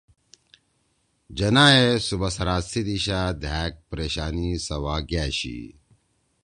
جناح ئے صوبہ سرحد سی دِشا دھأگ پریشانی سوا گأشی